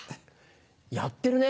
やってるね。